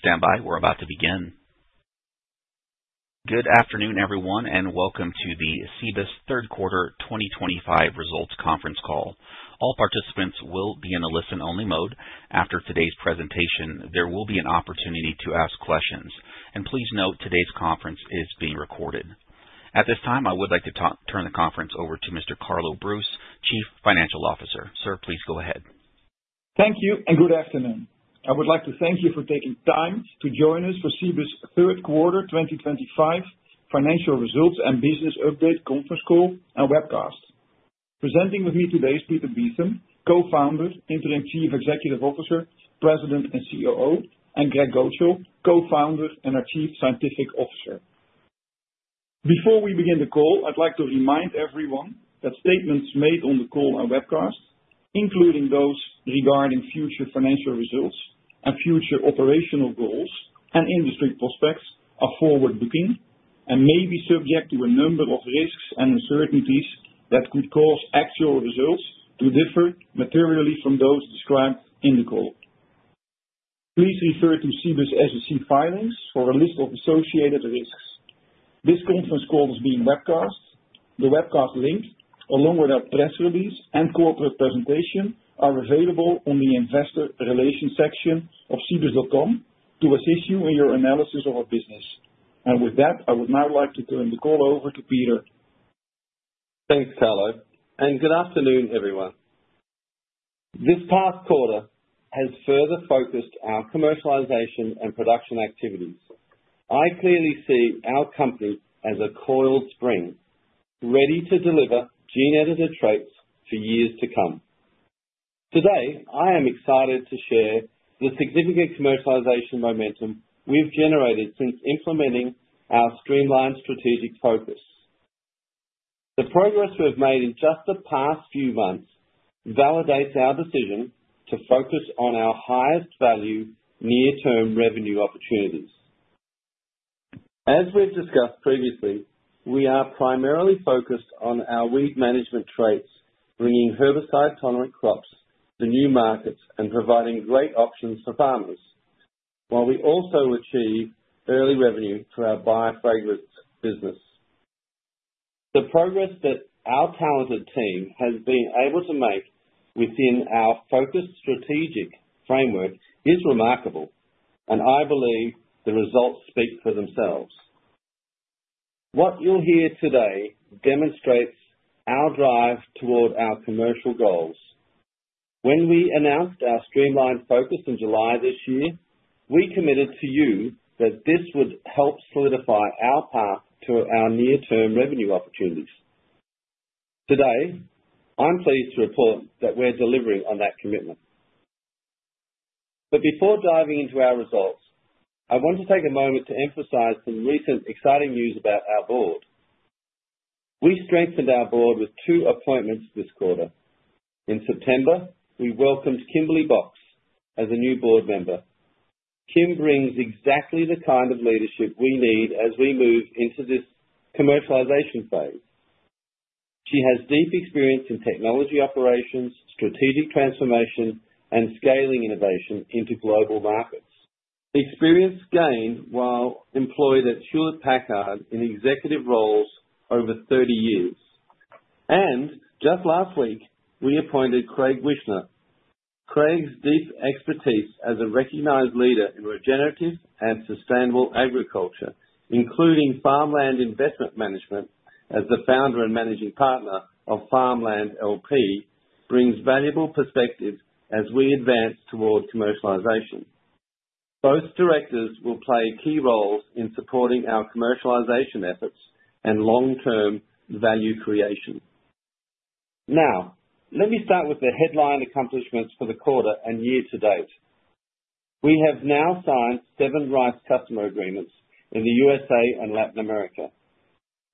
Stand by, we're about to begin. Good afternoon, everyone, and welcome to the Cibus third quarter 2025 results conference call. All participants will be in a listen-only mode. After today's presentation, there will be an opportunity to ask questions. Please note, today's conference is being recorded. At this time, I would like to turn the conference over to Mr. Carlo Broos, Chief Financial Officer. Sir, please go ahead. Thank you, and good afternoon. I would like to thank you for taking time to join us for Cibus third quarter 2025 financial results and business update conference call and webcast. Presenting with me today is Peter Beetham, Co-founder, Interim Chief Executive Officer, President and COO, and Greg Gocal, Co-founder and our Chief Scientific Officer. Before we begin the call, I'd like to remind everyone that statements made on the call and webcast, including those regarding future financial results and future operational goals and industry prospects, are forward-looking and may be subject to a number of risks and uncertainties that could cause actual results to differ materially from those described in the call. Please refer to Cibus SEC filings for a list of associated risks. This conference call is being webcast. The webcast link, along with our press release and corporate presentation, are available on the investor relations section of cbus.com to assist you in your analysis of our business. With that, I would now like to turn the call over to Peter. Thanks, Carlo, and good afternoon, everyone. This past quarter has further focused our commercialization and production activities. I clearly see our company as a coiled spring, ready to deliver gene-edited traits for years to come. Today, I am excited to share the significant Commercialization momentum we've generated since implementing our streamlined strategic focus. The progress we've made in just the past few months validates our decision to focus on our highest value near-term revenue opportunities. As we've discussed previously, we are primarily focused on our weed management traits, bringing herbicide-tolerant crops to new markets and providing great options for farmers, while we also achieve early revenue for our biofragrance business. The progress that our talented team has been able to make within our focused strategic framework is remarkable, and I believe the results speak for themselves. What you'll hear today demonstrates our drive toward our commercial goals. When we announced our streamlined focus in July this year, we committed to you that this would help solidify our path to our near-term revenue opportunities. Today, I'm pleased to report that we're delivering on that commitment. Before diving into our results, I want to take a moment to emphasize some recent exciting news about our board. We strengthened our board with two appointments this quarter. In September, we welcomed Kimberly Box as a new board member. Kim brings exactly the kind of leadership we need as we move into this commercialization phase. She has deep experience in technology operations, strategic transformation, and scaling innovation into global markets. Experience gained while employed at Hewlett-Packard in executive roles over 30 years. Just last week, we appointed Greg Wishner. Craig's deep expertise as a recognized leader in regenerative and sustainable agriculture, including farmland investment management as the founder and managing partner of Farmland LP, brings valuable perspectives as we advance toward commercialization. Both directors will play key roles in supporting our commercialization efforts and long-term value creation. Now, let me start with the headline accomplishments for the quarter and year to date. We have now signed seven RISE customer agreements in the U.S. and Latin America,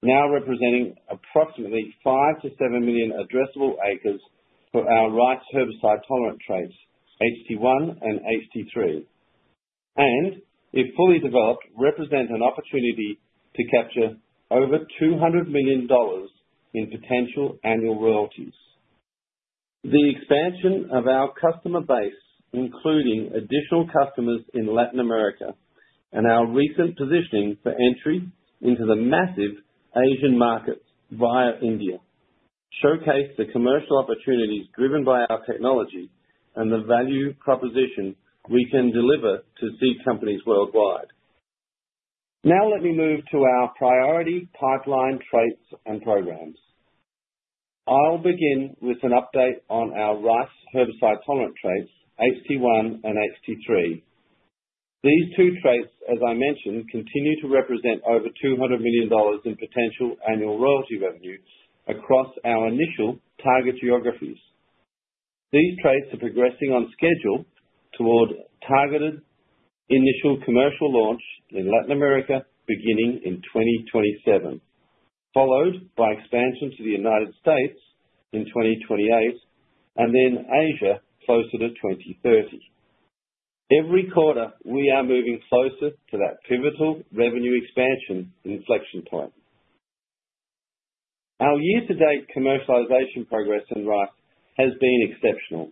now representing approximately 5-7 million addressable acres for our RISE Herbicide-Tolerant Traits, HT1 and HT3. If fully developed, represent an opportunity to capture over $200 million in potential annual royalties. The expansion of our customer base, including additional customers in Latin America, and our recent positioning for entry into the massive Asian markets via India, showcase the commercial opportunities driven by our technology and the value proposition we can deliver to seed companies worldwide. Now, let me move to our priority pipeline traits and programs. I'll begin with an update on our RISE Herbicide-Tolerant Traits, HT1 and HT3. These two traits, as I mentioned, continue to represent over $200 million in potential annual royalty revenue across our initial target geographies. These traits are progressing on schedule toward targeted initial commercial launch in Latin America, beginning in 2027, followed by expansion to the United States in 2028, and then Asia closer to 2030. Every quarter, we are moving closer to that pivotal revenue expansion inflection point. Our year-to-date commercialization progress in RISE has been exceptional.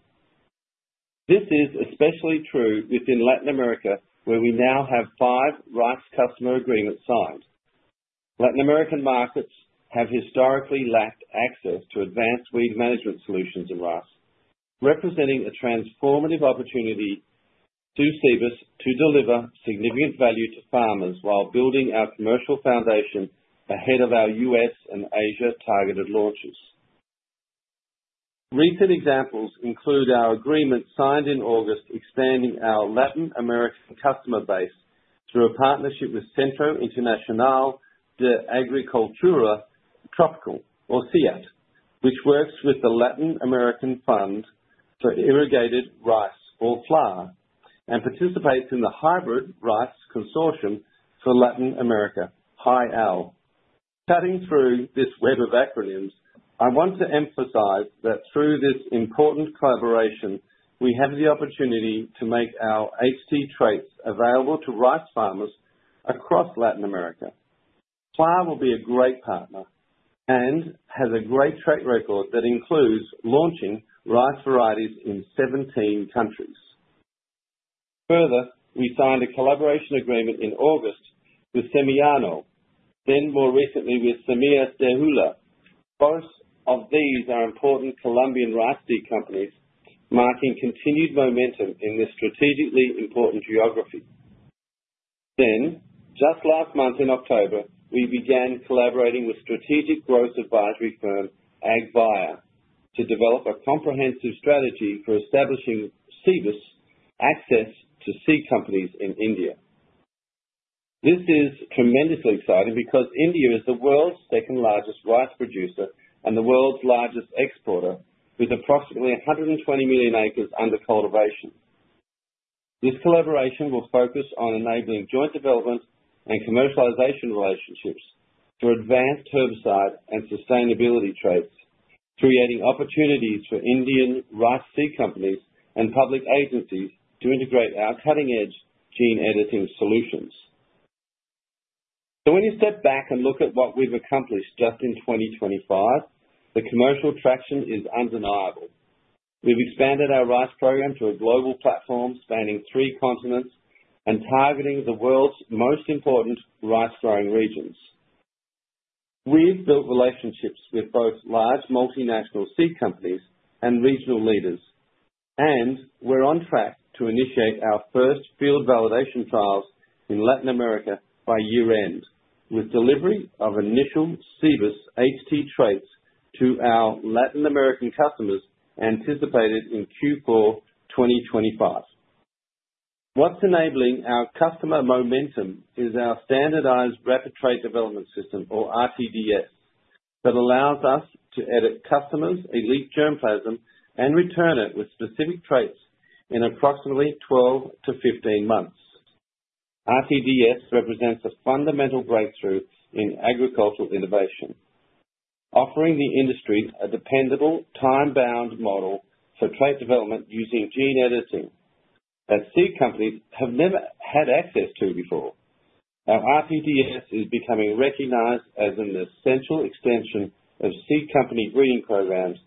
This is especially true within Latin America, where we now have five RISE customer agreements signed. Latin American markets have historically lacked access to advanced weed management solutions in RISE, representing a transformative opportunity to Cibus to deliver significant value to farmers while building our commercial foundation ahead of our U.S. and Asia targeted launches. Recent examples include our agreement signed in August, expanding our Latin American customer base through a partnership with Centro Internacional de Agricultura Tropical, or CIAT, which works with the Latin American Fund for Irrigated Rice, or FLAR, and participates in the Hybrid Rice Consortium for Latin America, HIAL. Cutting through this web of acronyms, I want to emphasize that through this important collaboration, we have the opportunity to make our HT traits available to RISE farmers across Latin America. FLAR will be a great partner and has a great trait record that includes launching RISE varieties in 17 countries. Further, we signed a collaboration agreement in August with Semiano, then more recently with Semilla del Huila. Both of these are important Colombian RISE seed companies, marking continued momentum in this strategically important geography. Just last month in October, we began collaborating with strategic growth advisory firm AgVia to develop a comprehensive strategy for establishing CBUS access to seed companies in India. This is tremendously exciting because India is the world's second-largest rice producer and the world's largest exporter, with approximately 120 million acres under cultivation. This collaboration will focus on enabling joint development and commercialization relationships for advanced herbicide and sustainability traits, creating opportunities for Indian RISE seed companies and public agencies to integrate our cutting-edge gene-editing solutions. When you step back and look at what we've accomplished just in 2025, the commercial traction is undeniable. We've expanded our RISE program to a global platform spanning three continents and targeting the world's most important rice-growing regions. We've built relationships with both large multinational seed companies and regional leaders, and we're on track to initiate our first field validation trials in Latin America by year-end, with delivery of initial CBUS HT traits to our Latin American customers anticipated in Q4 2025. What's enabling our customer momentum is our standardized rapid trait development system, or RTDS, that allows us to edit customers' Elite Germplasm and return it with specific traits in approximately 12-15 months. RTDS represents a fundamental breakthrough in agricultural innovation, offering the industry a dependable, time-bound model for trait development using gene editing that seed companies have never had access to before. Now, RTDS is becoming recognized as an essential extension of seed company breeding programs,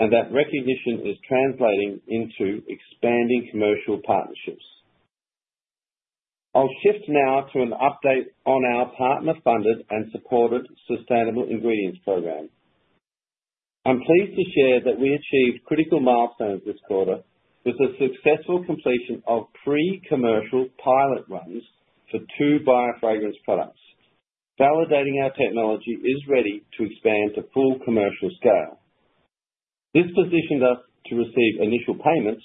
and that recognition is translating into expanding commercial partnerships. I'll shift now to an update on our partner-funded and supported sustainable ingredients program. I'm pleased to share that we achieved critical milestones this quarter with the successful completion of pre-commercial pilot runs for two biofragrance products, validating our technology is ready to expand to full commercial scale. This positioned us to receive initial payments,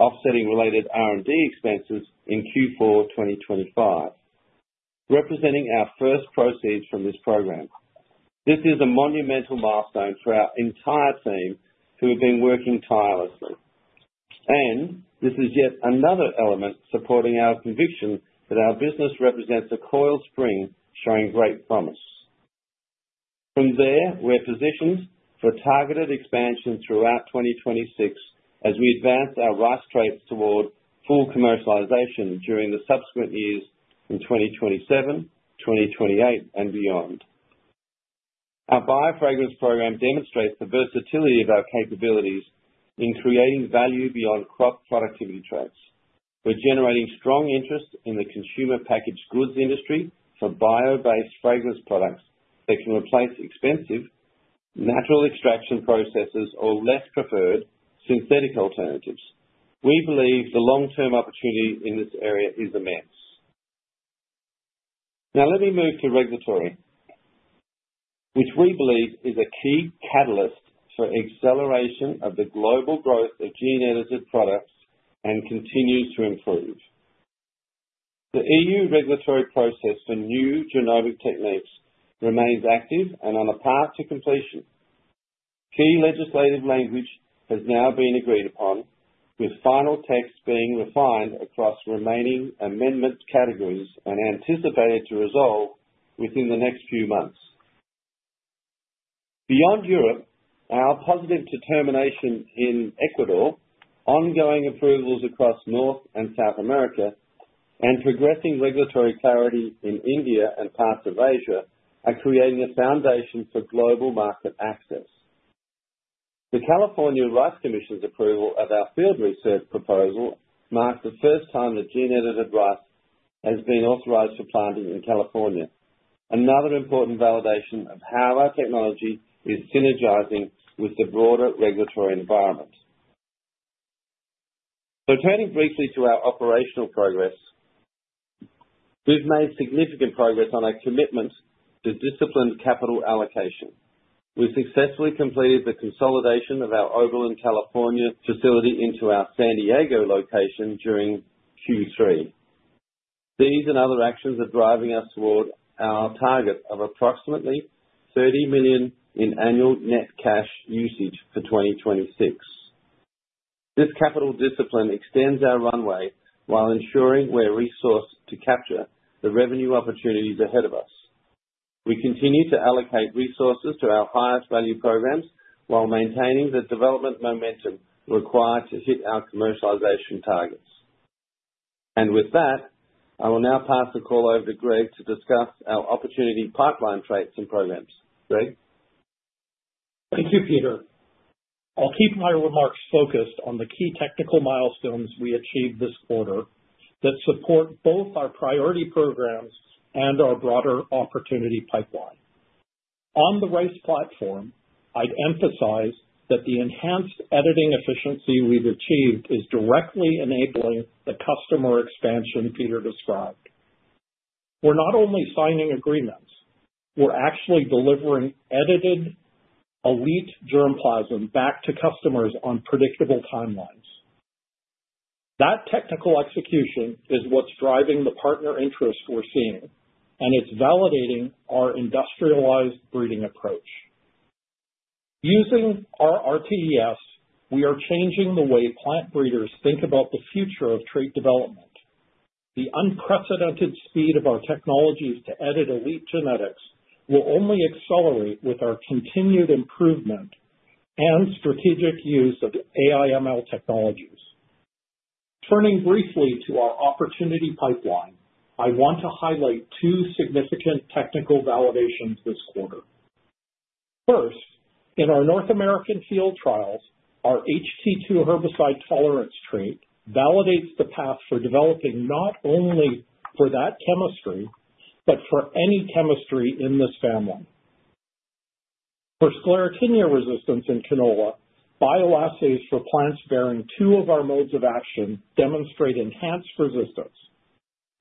offsetting related R&D expenses in Q4 2025, representing our first proceeds from this program. This is a monumental milestone for our entire team, who have been working tirelessly. This is yet another element supporting our conviction that our business represents a coiled spring showing great promise. From there, we're positioned for targeted expansion throughout 2026 as we advance our RISE traits toward full commercialization during the subsequent years in 2027, 2028, and beyond. Our biofragrance program demonstrates the versatility of our capabilities in creating value beyond crop productivity traits. We're generating strong interest in the consumer packaged goods industry for bio-based fragrance products that can replace expensive natural extraction processes or less preferred synthetic alternatives. We believe the long-term opportunity in this area is immense. Now, let me move to regulatory, which we believe is a key catalyst for acceleration of the global growth of gene-edited products and continues to improve. The EU regulatory process for new genomic techniques remains active and on a path to completion. Key legislative language has now been agreed upon, with final texts being refined across remaining amendment categories and anticipated to resolve within the next few months. Beyond Europe, our positive determination in Ecuador, ongoing approvals across North and South America, and progressing regulatory clarity in India and parts of Asia are creating a foundation for global market access. The California RISE Commission's approval of our field research proposal marks the first time that gene-edited rice has been authorized for planting in California, another important validation of how our technology is synergizing with the broader regulatory environment. Turning briefly to our operational progress, we've made significant progress on our commitment to disciplined capital allocation. We've successfully completed the consolidation of our Oberlin, California facility into our San Diego location during Q3. These and other actions are driving us toward our target of approximately $30 million in annual net cash usage for 2026. This capital discipline extends our runway while ensuring we're resourced to capture the revenue opportunities ahead of us. We continue to allocate resources to our highest value programs while maintaining the development momentum required to hit our commercialization targets. With that, I will now pass the call over to Greg to discuss our opportunity pipeline traits and programs. Greg. Thank you, Peter. I'll keep my remarks focused on the key technical milestones we achieved this quarter that support both our priority programs and our broader opportunity pipeline. On the RISE platform, I'd emphasize that the enhanced editing efficiency we've achieved is directly enabling the customer expansion Peter described. We're not only signing agreements, we're actually delivering edited Elite Germplasm back to customers on predictable timelines. That technical execution is what's driving the partner interest we're seeing, and it's validating our industrialized breeding approach. Using our RTDS, we are changing the way plant breeders think about the future of trait development. The unprecedented speed of our technologies to edit elite genetics will only accelerate with our continued improvement and strategic use of AI/ML technologies. Turning briefly to our opportunity pipeline, I want to highlight two significant technical validations this quarter. First, in our North American field trials, our HT2 herbicide-tolerance trait validates the path for developing not only for that chemistry, but for any chemistry in this family. For sclerotinia resistance in canola, bioassays for plants bearing two of our modes of action demonstrate enhanced resistance.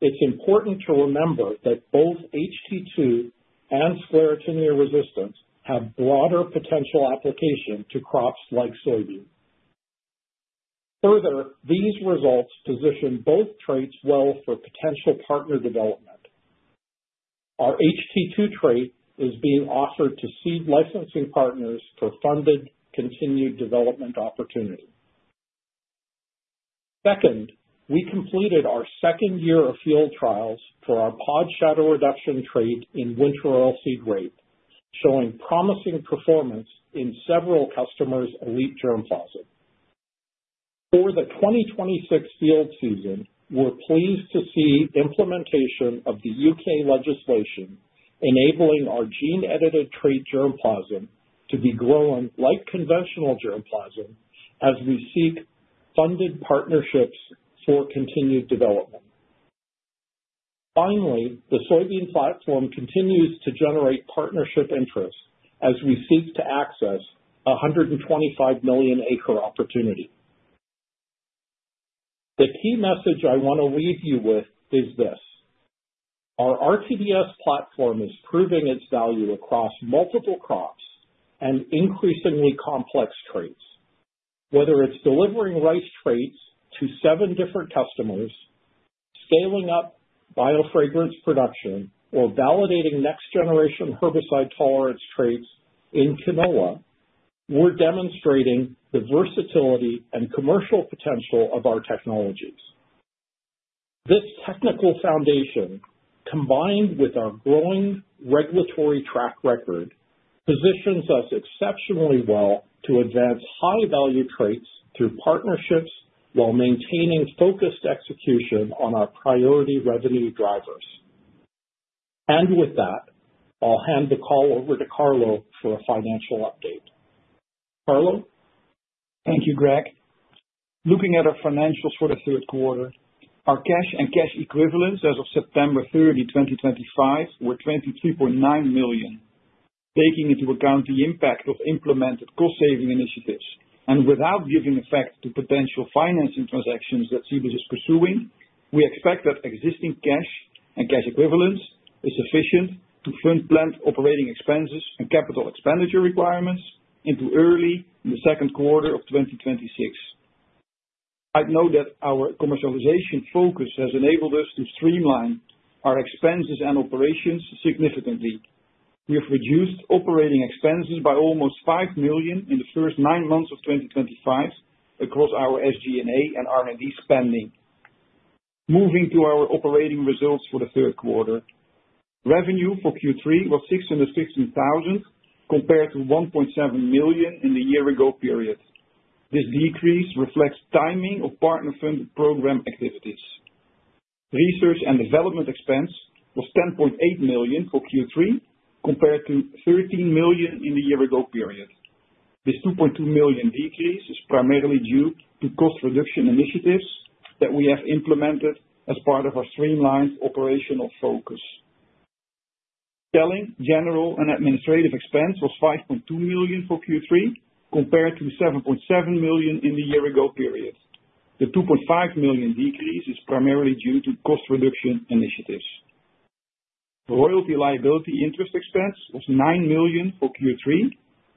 It's important to remember that both HT2 and sclerotinia resistance have broader potential application to crops like soybean. Further, these results position both traits well for potential partner development .Our HT2 trait is being offered to seed licensing partners for funded continued development opportunity. Second, we completed our second year of field trials for our pod shatter reduction trait in winter oilseed rape, showing promising performance in several customers' Elite Germplasm. For the 2026 field season, we're pleased to see implementation of the U.K. legislation enabling our gene-edited trait germplasm to be grown like conventional germplasm as we seek funded partnerships for continued development. Finally, the soybean platform continues to generate partnership interest as we seek to access a 125 million acre opportunity. The key message I want to leave you with is this: our RTDS platform is proving its value across multiple crops and increasingly complex traits. Whether it's delivering RISE traits to seven different customers, scaling up biofragrance production, or validating next-generation herbicide tolerance traits in canola, we're demonstrating the versatility and commercial potential of our technologies. This technical foundation, combined with our growing regulatory track record, positions us exceptionally well to advance high-value traits through partnerships while maintaining focused execution on our priority revenue drivers. With that, I'll hand the call over to Carlo for a financial update. Carlo. Thank you, Greg. Looking at our financials for the third quarter, our cash and cash equivalents as of September 30, 2025, were $23.9 million, taking into account the impact of implemented cost-saving initiatives. Without giving effect to potential financing transactions that CBUS is pursuing, we expect that existing cash and cash equivalents are sufficient to fund planned operating expenses and capital expenditure requirements into early the second quarter of 2026. I'd note that our commercialization focus has enabled us to streamline our expenses and operations significantly. We have reduced operating expenses by almost $5 million in the first nine months of 2025 across our SG&A and R&D spending. Moving to our operating results for the third quarter, revenue for Q3 was $615,000 compared to $1.7 million in the year-ago period. This decrease reflects timing of partner-funded program activities. Research and development expense was $10.8 million for Q3 compared to $13 million in the year-ago period. This $2.2 million decrease is primarily due to cost-reduction initiatives that we have implemented as part of our streamlined operational focus. Selling, general, and administrative expense was $5.2 million for Q3 compared to $7.7 million in the year-ago period. The $2.5 million decrease is primarily due to cost-reduction initiatives. Royalty liability interest expense was $9 million for Q3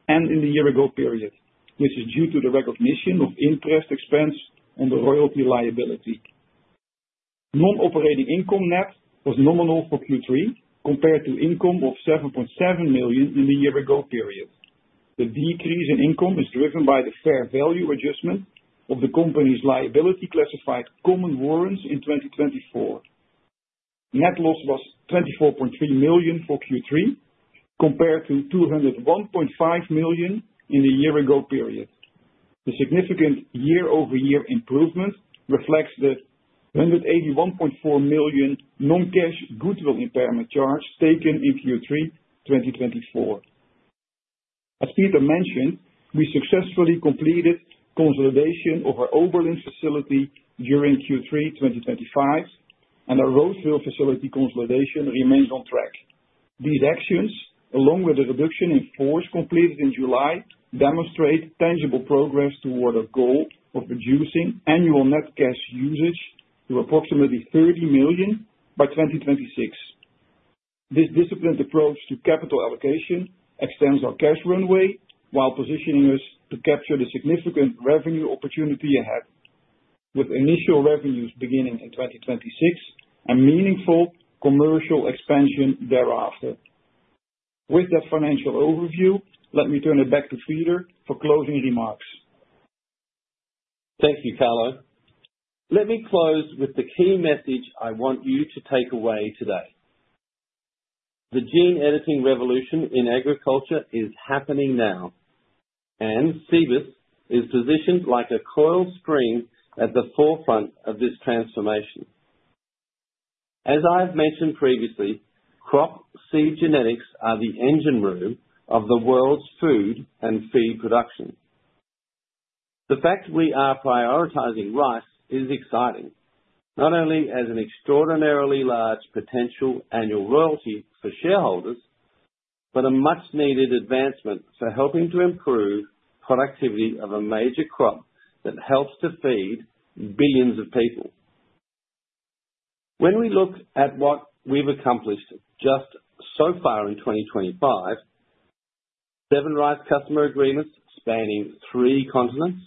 and in the year-ago period, which is due to the recognition of interest expense and the royalty liability. Non-operating income net was nominal for Q3 compared to income of $7.7 million in the year-ago period. The decrease in income is driven by the fair value adjustment of the company's liability classified common warrants in 2024. Net loss was $24.3 million for Q3 compared to $201.5 million in the year-ago period. The significant year-over-year improvement reflects the $181.4 million non-cash goodwill impairment charge taken in Q3 2024. As Peter mentioned, we successfully completed consolidation of our Oberlin facility during Q3 2025, and our Roseville facility consolidation remains on track. These actions, along with the reduction in force completed in July, demonstrate tangible progress toward our goal of reducing annual net cash usage to approximately $30 million by 2026. This disciplined approach to capital allocation extends our cash runway while positioning us to capture the significant revenue opportunity ahead, with initial revenues beginning in 2026 and meaningful commercial expansion thereafter. With that financial overview, let me turn it back to Peter for closing remarks. Thank you, Carlo. Let me close with the key message I want you to take away today. The gene-editing revolution in agriculture is happening now, and CBUS is positioned like a coiled spring at the forefront of this transformation. As I've mentioned previously, crop seed genetics are the engine room of the world's food and feed production. The fact we are prioritizing RISE is exciting, not only as an extraordinarily large potential annual royalty for shareholders, but a much-needed advancement for helping to improve productivity of a major crop that helps to feed billions of people. When we look at what we've accomplished just so far in 2025, seven RISE customer agreements spanning three continents,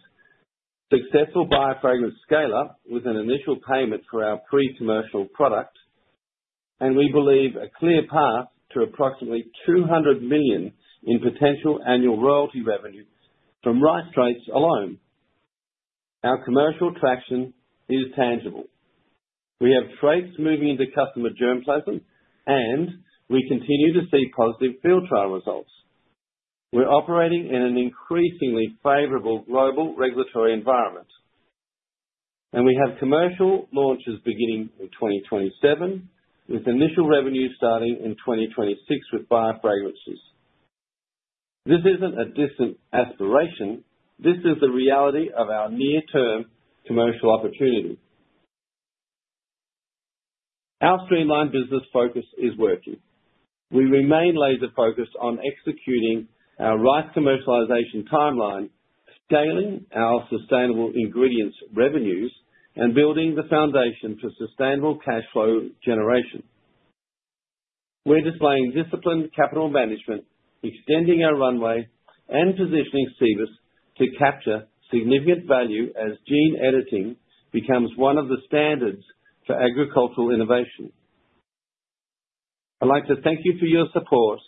successful biofragrance scalar with an initial payment for our pre-commercial product, and we believe a clear path to approximately $200 million in potential annual royalty revenue from RISE traits alone. Our commercial traction is tangible. We have traits moving into customer germplasm, and we continue to see positive field trial results. We're operating in an increasingly favorable global regulatory environment, and we have commercial launches beginning in 2027, with initial revenues starting in 2026 with biofragrances. This isn't a distant aspiration; this is the reality of our near-term commercial opportunity. Our streamlined business focus is working. We remain laser-focused on executing our RISE commercialization timeline, scaling our sustainable ingredients revenues, and building the foundation for sustainable cash flow generation. We're displaying disciplined capital management, extending our runway, and positioning CBUS to capture significant value as gene editing becomes one of the standards for agricultural innovation. I'd like to thank you for your support,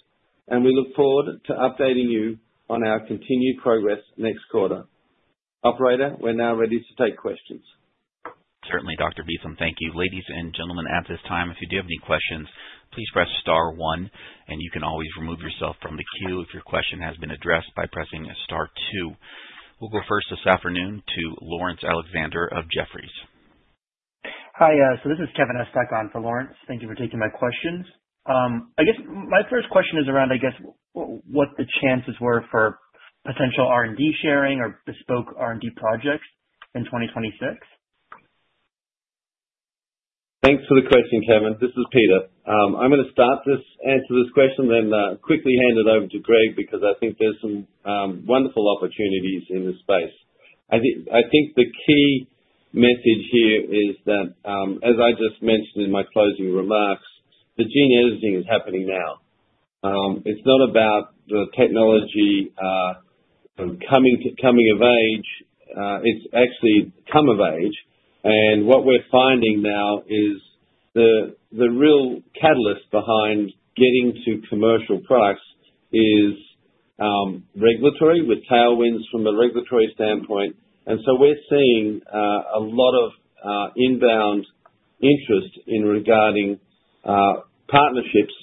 and we look forward to updating you on our continued progress next quarter. Operator, we're now ready to take questions. Certainly, Dr. Beetham, thank you. Ladies and gentlemen, at this time, if you do have any questions, please press star one, and you can always remove yourself from the queue if your question has been addressed by pressing star two. We'll go first this afternoon to Lawrence Alexander of Jefferies. Hi, so this is Kevin S. Ducon for Lawrence. Thank you for taking my questions. I guess my first question is around, I guess, what the chances were for potential R&D sharing or bespoke R&D projects in 2026. Thanks for the question, Kevin. This is Peter. I'm going to start this answer to this question, then quickly hand it over to Greg because I think there's some wonderful opportunities in this space. I think the key message here is that, as I just mentioned in my closing remarks, the gene editing is happening now. It's not about the technology coming of age; it's actually come of age. What we're finding now is the real catalyst behind getting to commercial products is regulatory, with tailwinds from a regulatory standpoint. We're seeing a lot of inbound interest regarding partnerships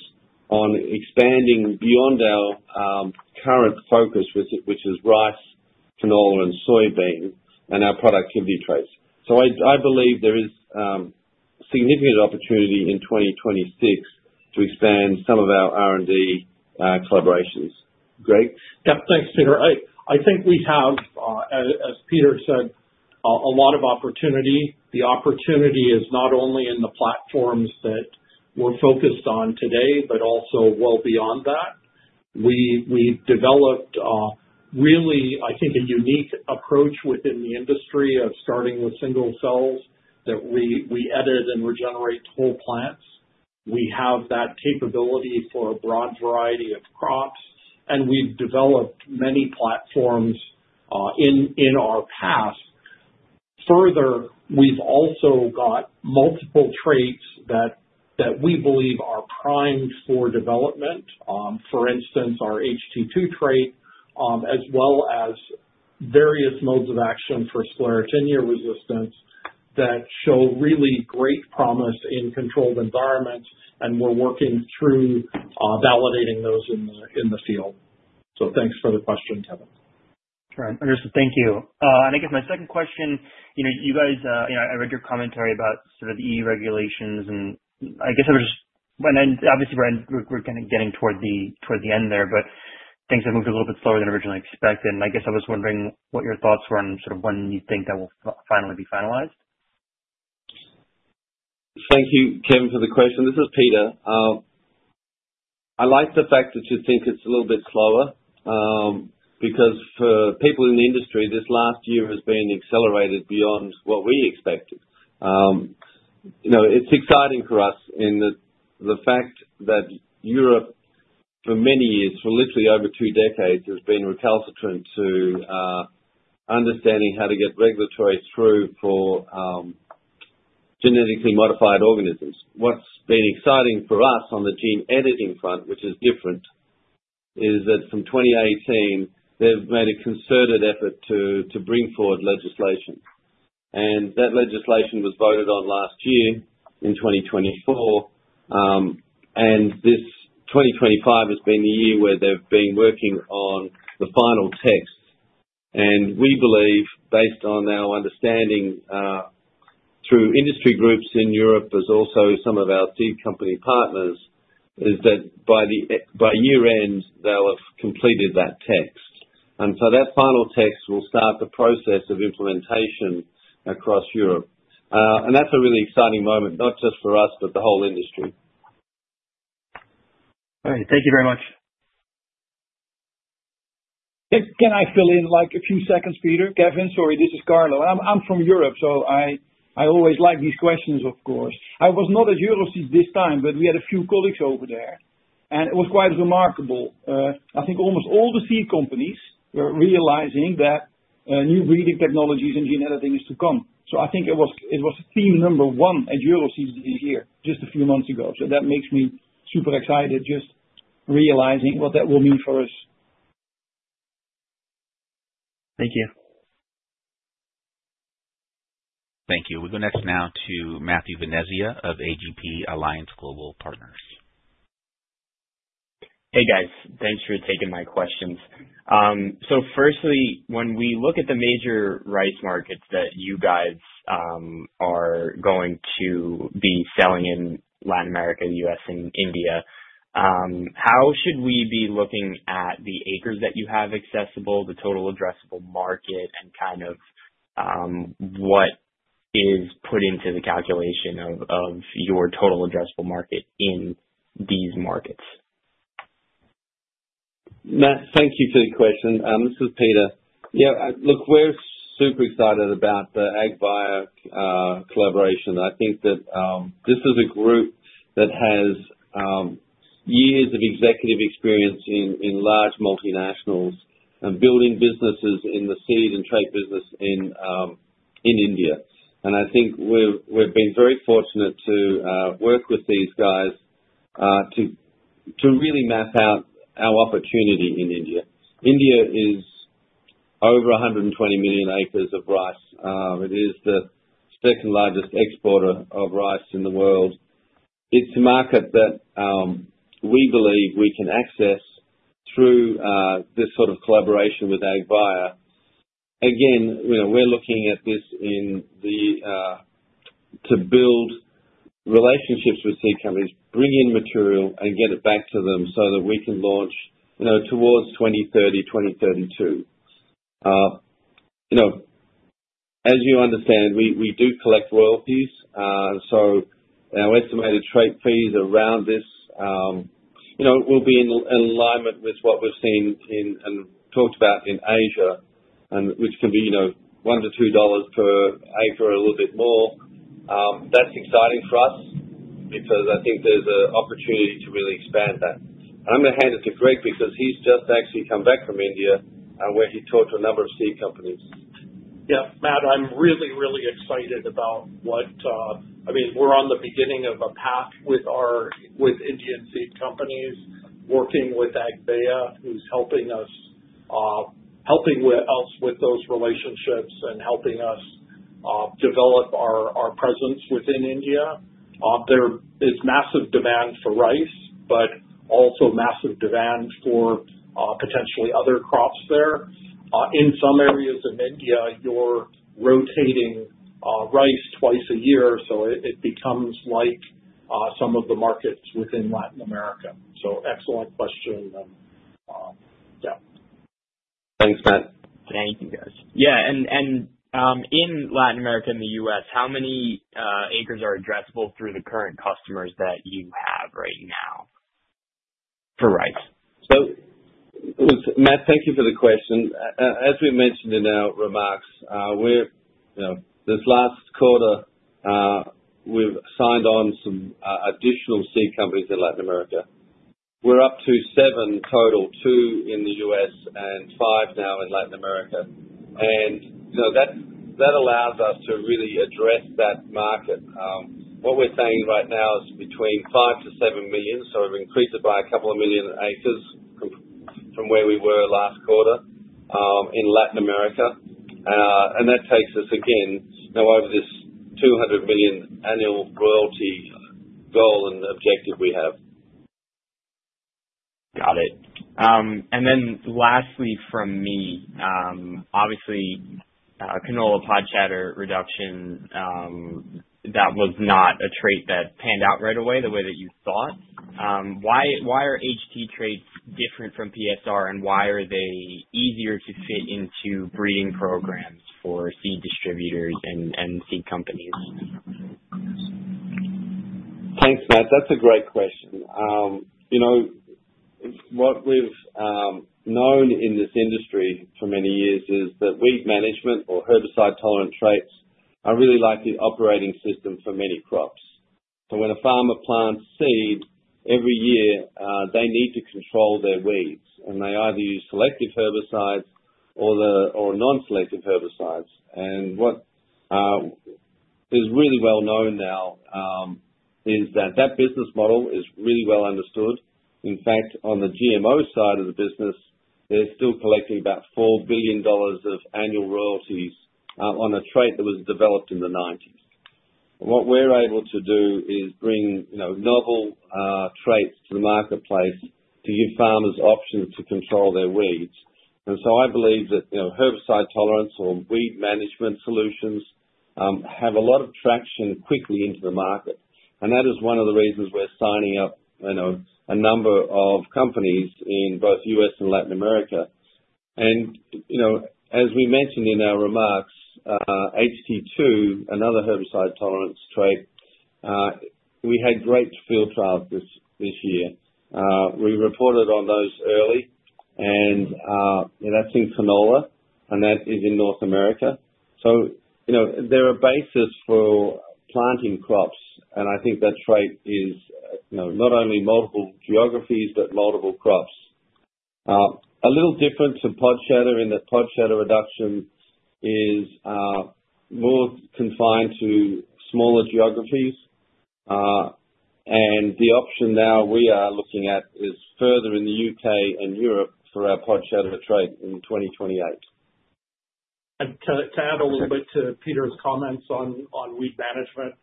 on expanding beyond our current focus, which is RISE, canola, and soybean, and our productivity traits. I believe there is significant opportunity in 2026 to expand some of our R&D collaborations. Greg? Yep, thanks, Peter. I think we have, as Peter said, a lot of opportunity. The opportunity is not only in the platforms that we're focused on today, but also well beyond that. We've developed really, I think, a unique approach within the industry of starting with single cells that we edit and regenerate whole plants. We have that capability for a broad variety of crops, and we've developed many platforms in our past. Further, we've also got multiple traits that we believe are primed for development, for instance, our HT2 trait, as well as various modes of action for sclerotinia resistance that show really great promise in controlled environments, and we're working through validating those in the field. Thanks for the question, Kevin. Sure. Understood. Thank you. I guess my second question, you guys, I read your commentary about sort of the EU regulations, and I guess I was just, and obviously, we're kind of getting toward the end there, but things have moved a little bit slower than originally expected. I guess I was wondering what your thoughts were on sort of when you think that will finally be finalized. Thank you, Kevin, for the question. This is Peter. I like the fact that you think it's a little bit slower because for people in the industry, this last year has been accelerated beyond what we expected. It's exciting for us in the fact that Europe, for many years, for literally over two decades, has been recalcitrant to understanding how to get regulatory through for genetically modified organisms. What's been exciting for us on the gene editing front, which is different, is that from 2018, they've made a concerted effort to bring forward legislation. That legislation was voted on last year in 2024, and this 2025 has been the year where they've been working on the final text. We believe, based on our understanding through industry groups in Europe, as also some of our seed company partners, that by year-end, they'll have completed that text. That final text will start the process of implementation across Europe. That is a really exciting moment, not just for us, but the whole industry. All right. Thank you very much. Can I fill in like a few seconds, Peter? Kevin, sorry, this is Carlo. I'm from Europe, so I always like these questions, of course. I was not at Euroseeds this time, but we had a few colleagues over there, and it was quite remarkable. I think almost all the seed companies were realizing that new breeding technologies and gene editing is to come. I think it was theme number one at Euroseeds this year, just a few months ago. That makes me super excited, just realizing what that will mean for us. Thank you. Thank you. We'll go next now to Matthew Venezia of Alliance Global Partners. Hey, guys. Thanks for taking my questions. Firstly, when we look at the major RISE markets that you guys are going to be selling in Latin America, the U.S., and India, how should we be looking at the acres that you have accessible, the total addressable market, and kind of what is put into the calculation of your total addressable market in these markets? Matt, thank you for the question. This is Peter. Yeah, look, we're super excited about the AgVia collaboration. I think that this is a group that has years of executive experience in large multinationals and building businesses in the seed and trait business in India. I think we've been very fortunate to work with these guys to really map out our opportunity in India. India is over 120 million acres of rice. It is the second largest exporter of rice in the world. It's a market that we believe we can access through this sort of collaboration with AgVia. Again, we're looking at this to build relationships with seed companies, bring in material, and get it back to them so that we can launch towards 2030, 2032. As you understand, we do collect royalties, so our estimated trait fees around this will be in alignment with what we've seen and talked about in Asia, which can be $1-$2 per acre or a little bit more. That's exciting for us because I think there's an opportunity to really expand that. I'm going to hand it to Greg because he's just actually come back from India, where he talked to a number of seed companies. Yeah. Matt, I'm really, really excited about what—I mean, we're on the beginning of a path with Indian seed companies, working with AgVia, who's helping us with those relationships and helping us develop our presence within India. There is massive demand for rice, but also massive demand for potentially other crops there. In some areas of India, you're rotating rice twice a year, so it becomes like some of the markets within Latin America. Excellent question. Yeah. Thanks, Matt. Thank you, guys. Yeah. In Latin America and the U.S., how many acres are addressable through the current customers that you have right now for RISE? Matt, thank you for the question. As we mentioned in our remarks, this last quarter, we've signed on some additional seed companies in Latin America. We're up to seven total, two in the U.S. and five now in Latin America. That allows us to really address that market. What we're saying right now is between 5-7 million, so we've increased it by a couple of million acres from where we were last quarter in Latin America. That takes us, again, now over this $200 million annual royalty goal and objective we have. Got it. Lastly, from me, obviously, canola pod shatter reduction, that was not a trait that panned out right away the way that you thought. Why are HT traits different from PSR, and why are they easier to fit into breeding programs for seed distributors and seed companies? Thanks, Matt. That's a great question. What we've known in this industry for many years is that weed management or herbicide-tolerant traits are really like the operating system for many crops. When a farmer plants seed every year, they need to control their weeds, and they either use selective herbicides or non-selective herbicides. What is really well known now is that that business model is really well understood. In fact, on the GMO side of the business, they're still collecting about $4 billion of annual royalties on a trait that was developed in the 1990s. What we're able to do is bring novel traits to the marketplace to give farmers options to control their weeds. I believe that herbicide tolerance or weed management solutions have a lot of traction quickly into the market. That is one of the reasons we're signing up a number of companies in both the U.S. and Latin America. As we mentioned in our remarks, HT2, another herbicide-tolerant trait, we had great field trials this year. We reported on those early, and that's in canola, and that is in North America. They are a basis for planting crops, and I think that trait is not only multiple geographies, but multiple crops. A little different to pod shatter in that pod shatter reduction is more confined to smaller geographies. The option now we are looking at is further in the U.K. and Europe for our pod shatter trait in 2028. To add a little bit to Peter's comments on weed management,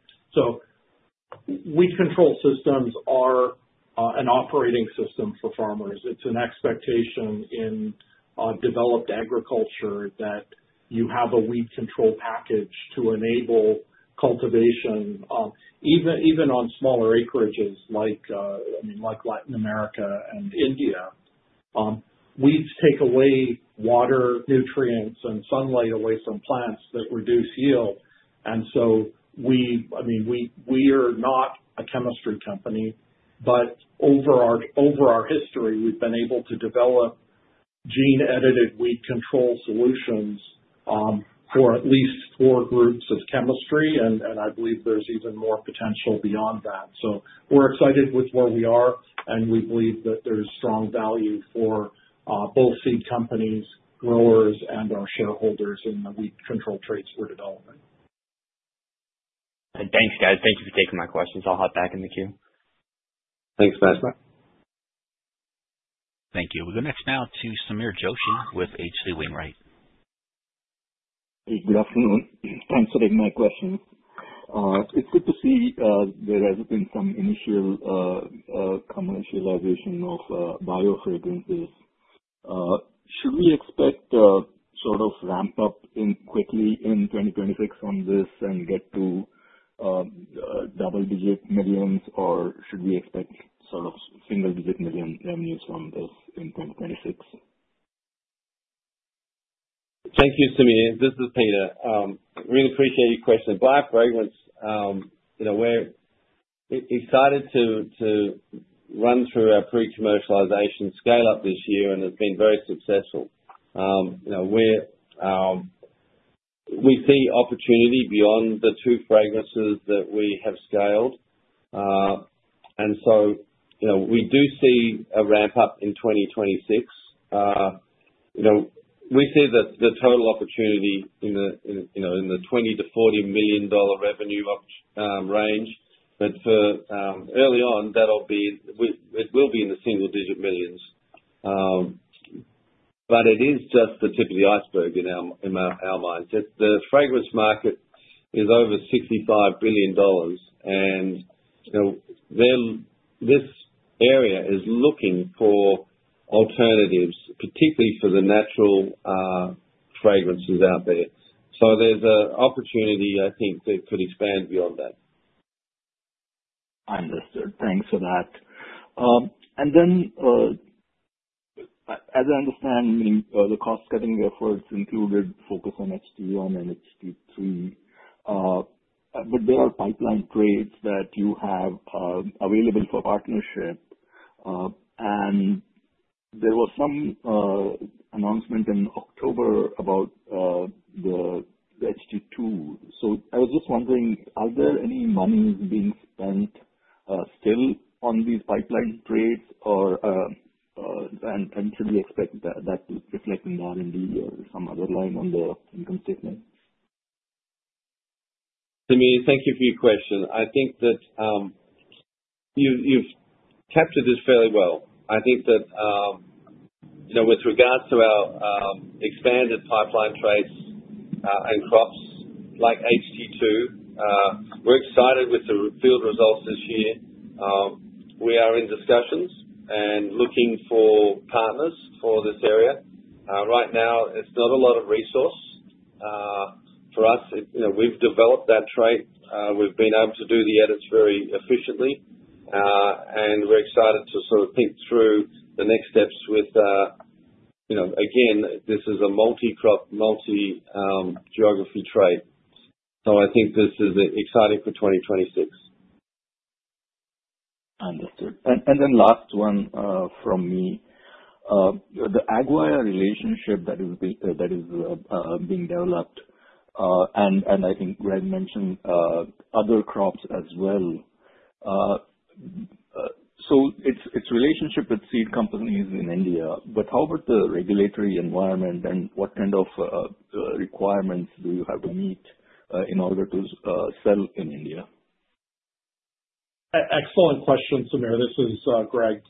weed control systems are an operating system for farmers. It's an expectation in developed agriculture that you have a weed control package to enable cultivation, even on smaller acreages like, I mean, like Latin America and India. Weeds take away water, nutrients, and sunlight away from plants that reduce yield. I mean, we are not a chemistry company, but over our history, we've been able to develop gene-edited weed control solutions for at least four groups of chemistry, and I believe there's even more potential beyond that. We're excited with where we are, and we believe that there's strong value for both seed companies, growers, and our shareholders in the weed control traits we're developing. Thanks, guys. Thank you for taking my questions. I'll hop back in the queue. Thanks, Matt. Thank you. We'll go next now to Sameer Joshi with H.C. Wainwright. Hey, good afternoon. Thanks for taking my question. It's good to see there has been some initial commercialization of Biofragrances. Should we expect sort of ramp up quickly in 2026 on this and get to double-digit millions, or should we expect sort of single-digit million revenues from this in 2026? Thank you, Samir. This is Peter. Really appreciate your question. Bio-fragrance, we're excited to run through our pre-commercialization scale-up this year, and it's been very successful. We see opportunity beyond the two fragrances that we have scaled. We do see a ramp up in 2026. We see the total opportunity in the $20 million-$40 million revenue range, but early on, that will be in the single-digit millions. It is just the tip of the iceberg in our minds. The fragrance market is over $65 billion, and this area is looking for alternatives, particularly for the natural fragrances out there. There is an opportunity, I think, that could expand beyond that. Understood. Thanks for that. As I understand, the cost-cutting efforts included focus on HT1 and HT3, but there are pipeline traits that you have available for partnership. There was some announcement in October about the HT2. I was just wondering, are there any monies being spent still on these pipeline traits, and should we expect that to reflect in the R&D or some other line on the income statement? Samir, thank you for your question. I think that you've captured this fairly well. I think that with regards to our expanded pipeline traits and crops like HT2, we're excited with the field results this year. We are in discussions and looking for partners for this area. Right now, it's not a lot of resource for us. We've developed that trait. We've been able to do the edits very efficiently, and we're excited to sort of think through the next steps with, again, this is a multi-crop, multi-geography trait. I think this is exciting for 2026. Understood. Last one from me, the AgVia relationship that is being developed, and I think Greg mentioned other crops as well. It is a relationship with seed companies in India, but how about the regulatory environment, and what kind of requirements do you have to meet in order to sell in India? Excellent question, Samir. This is Greg.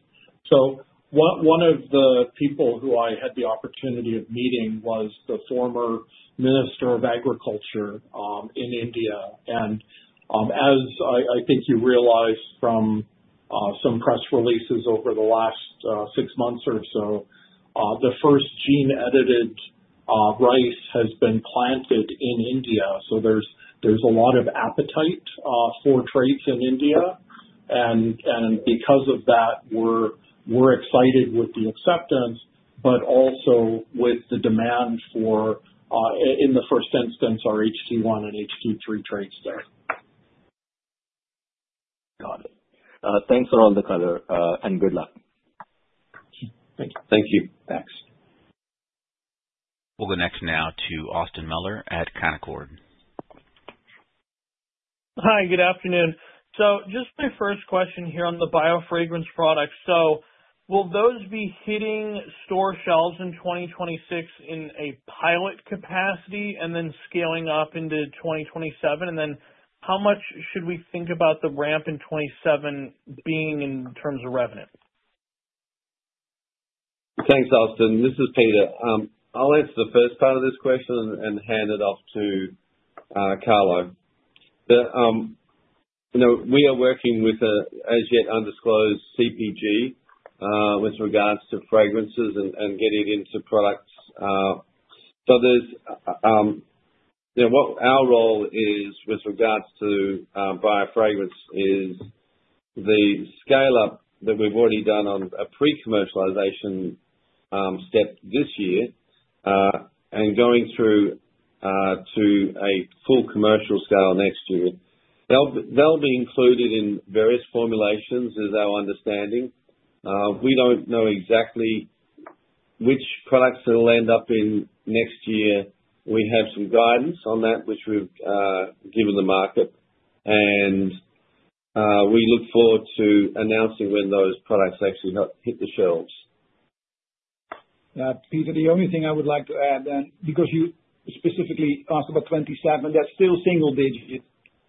One of the people who I had the opportunity of meeting was the former Minister of Agriculture in India. As I think you realize from some press releases over the last six months or so, the first gene-edited rice has been planted in India. There is a lot of appetite for traits in India. Because of that, we are excited with the acceptance, but also with the demand for, in the first instance, our HT1 and HT3 traits there. Got it. Thanks a lot, Nicolo and good luck. Thank you. Thank you. Thanks. We'll go next now to Austin Moeller at Kallgarden. Hi, good afternoon. Just my first question here on the Bio-fragrance products. Will those be hitting store shelves in 2026 in a pilot capacity and then scaling up into 2027? How much should we think about the ramp in 2027 being in terms of revenue? Thanks, Austin. This is Peter. I'll answer the first part of this question and hand it off to Carlo. We are working with an as-yet-undisclosed CPG with regards to fragrances and getting it into products. What our role is with regards to Biofragrance is the scale-up that we've already done on a pre-commercialization step this year and going through to a full commercial scale next year. They'll be included in various formulations, is our understanding. We don't know exactly which products it'll end up in next year. We have some guidance on that, which we've given the market. We look forward to announcing when those products actually hit the shelves. Peter, the only thing I would like to add, and because you specifically asked about 2027, that's still single-digit,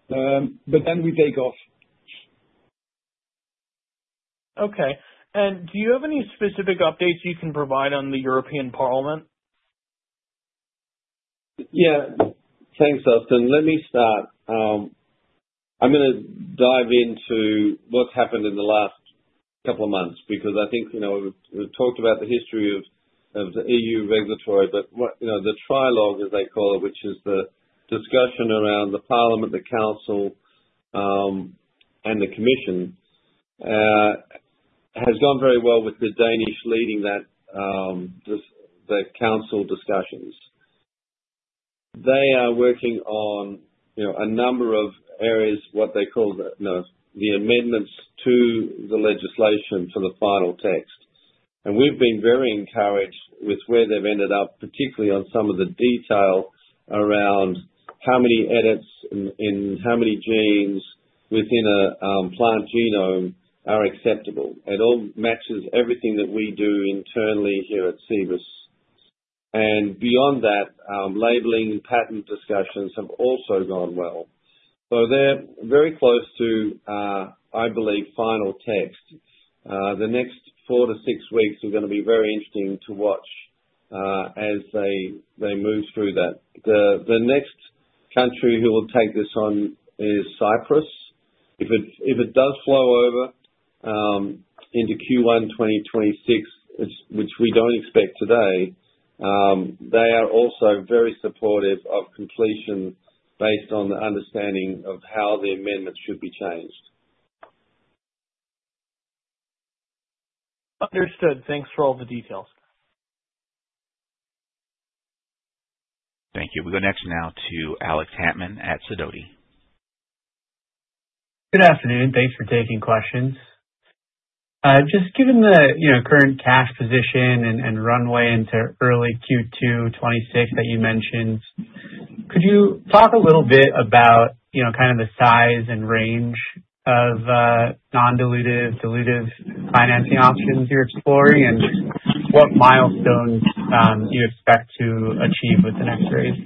but then we take off. Okay. Do you have any specific updates you can provide on the European Parliament? Yeah. Thanks, Austin. Let me start. I'm going to dive into what's happened in the last couple of months because I think we've talked about the history of the EU regulatory, but the trilogue, as they call it, which is the discussion around the Parliament, the Council, and the Commission, has gone very well with the Danish leading that Council discussions. They are working on a number of areas, what they call the amendments to the legislation for the final text. We've been very encouraged with where they've ended up, particularly on some of the detail around how many edits in how many genes within a plant genome are acceptable. It all matches everything that we do internally here at Cibus. Beyond that, labeling and patent discussions have also gone well. They are very close to, I believe, final text. The next four to six weeks are going to be very interesting to watch as they move through that. The next country who will take this on is Cyprus. If it does flow over into Q1 2026, which we do not expect today, they are also very supportive of completion based on the understanding of how the amendment should be changed. Understood. Thanks for all the details. Thank you. We'll go next now to Alex Hatman at Sidoti. Good afternoon. Thanks for taking questions. Just given the current cash position and runway into early Q2 2026 that you mentioned, could you talk a little bit about kind of the size and range of non-dilutive, dilutive financing options you're exploring and what milestones you expect to achieve with the next phase?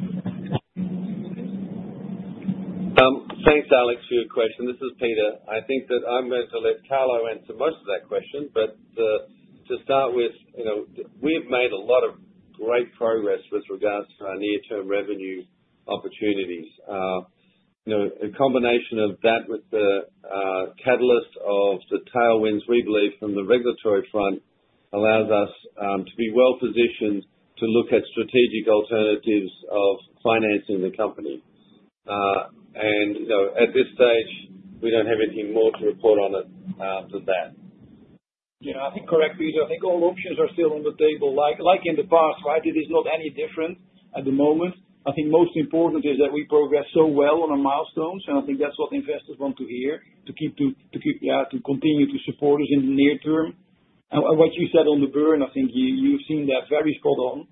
Thanks, Alex, for your question. This is Peter. I think that I'm going to let Carlo answer most of that question, but to start with, we've made a lot of great progress with regards to our near-term revenue opportunities. A combination of that with the catalyst of the tailwinds, we believe, from the regulatory front allows us to be well-positioned to look at strategic alternatives of financing the company. At this stage, we don't have anything more to report on it than that. Yeah. I think correct, Peter. I think all options are still on the table, like in the past, right? It is not any different at the moment. I think most important is that we progress so well on our milestones, and I think that's what investors want to hear, to keep, yeah, to continue to support us in the near term. What you said on the burn, I think you've seen that very spot on.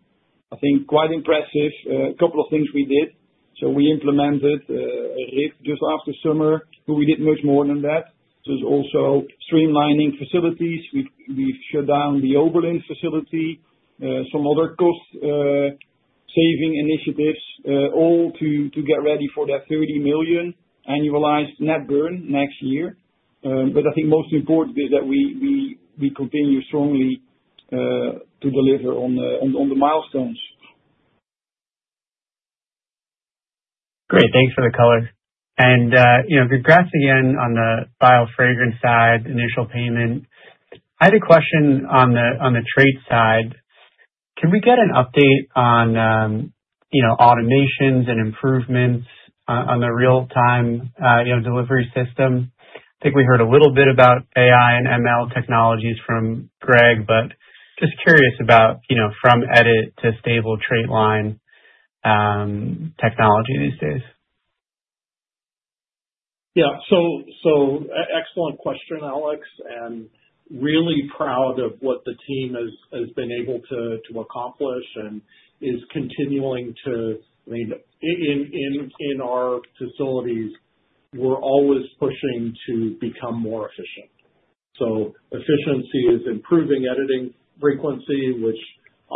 I think quite impressive. A couple of things we did. We implemented a RIP just after summer, but we did much more than that. There's also streamlining facilities. We've shut down the Oberlin facility, some other cost-saving initiatives, all to get ready for that $30 million annualized net burn next year. I think most important is that we continue strongly to deliver on the milestones. Great. Thanks for the colors. And congrats again on the Biofragrance side, initial payment. I had a question on the trait side. Can we get an update on automations and improvements on the real-time delivery system? I think we heard a little bit about AI and ML Technologies from Greg, but just curious about from edit to stable trait line technology these days. Yeah. Excellent question, Alex, and really proud of what the team has been able to accomplish and is continuing to. I mean, in our facilities, we're always pushing to become more efficient. Efficiency is improving editing frequency, which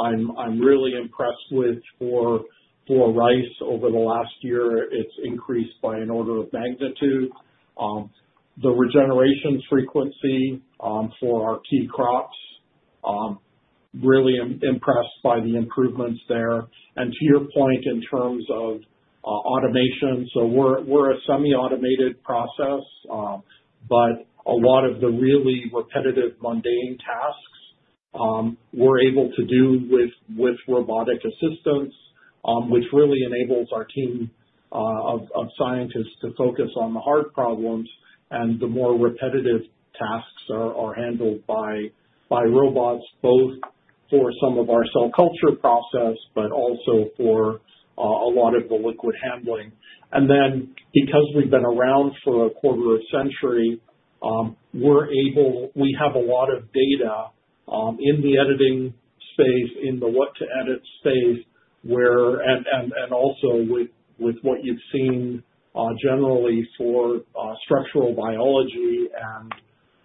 I'm really impressed with for rice over the last year. It has increased by an order of magnitude. The regeneration frequency for our key crops, really impressed by the improvements there. To your point in terms of automation, we're a semi-automated process, but a lot of the really repetitive, mundane tasks we're able to do with robotic assistance, which really enables our team of scientists to focus on the hard problems. The more repetitive tasks are handled by robots, both for some of our cell culture process, but also for a lot of the liquid handling. Because we have been around for a quarter of a century, we have a lot of data in the editing space, in the what-to-edit space, and also with what you have seen generally for structural biology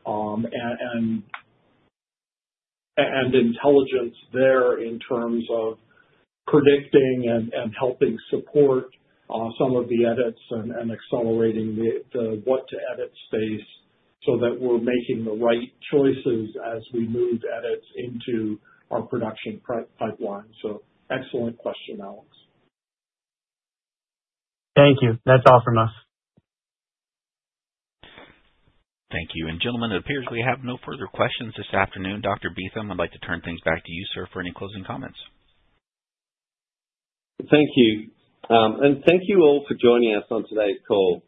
and intelligence there in terms of predicting and helping support some of the edits and accelerating the what-to-edit space so that we are making the right choices as we move edits into our production pipeline. Excellent question, Alex. Thank you. That's all from us. Thank you. Gentlemen, it appears we have no further questions this afternoon. Dr. Beetham, I'd like to turn things back to you, sir, for any closing comments. Thank you. Thank you all for joining us on today's call.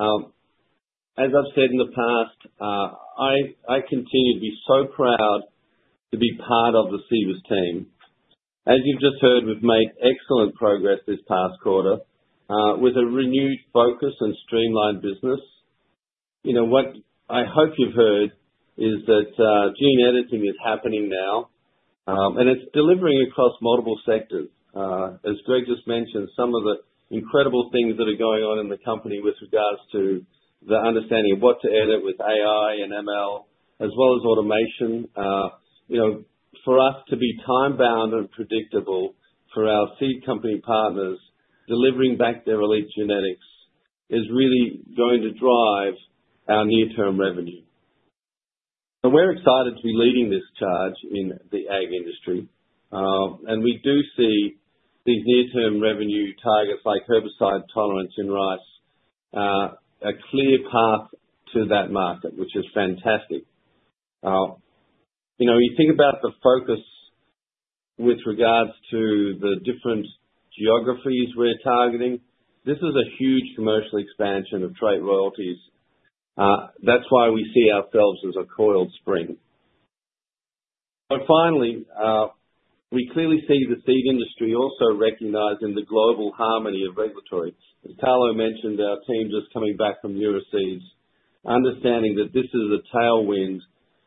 As I've said in the past, I continue to be so proud to be part of the Cibus team. As you've just heard, we've made excellent progress this past quarter with a renewed focus and streamlined business. What I hope you've heard is that gene editing is happening now, and it's delivering across multiple sectors. As Greg just mentioned, some of the incredible things that are going on in the company with regards to the understanding of what to edit with AI and ML, as well as automation. For us to be time-bound and predictable for our seed company partners, delivering back their elite genetics is really going to drive our near-term revenue. We're excited to be leading this charge in the ag industry. We do see these near-term revenue targets like herbicide tolerance in RISE a clear path to that market, which is fantastic. You think about the focus with regards to the different geographies we are targeting, this is a huge commercial expansion of trait royalties. That is why we see ourselves as a coiled spring. Finally, we clearly see the seed industry also recognizing the global harmony of regulatory. As Carlo mentioned, our team just coming back from Euroseas, understanding that this is a tailwind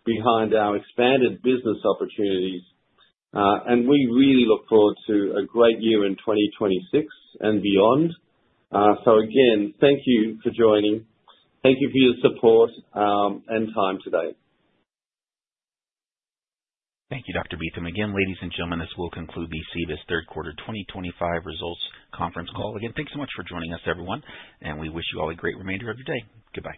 behind our expanded business opportunities. We really look forward to a great year in 2026 and beyond. Again, thank you for joining. Thank you for your support and time today. Thank you, Dr. Beetham. Again, ladies and gentlemen, this will conclude the Cibus Third Quarter 2025 Results Conference call. Again, thanks so much for joining us, everyone. We wish you all a great remainder of your day. Goodbye.